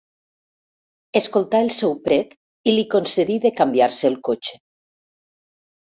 Escoltà el seu prec i li concedí de canviar-se el cotxe.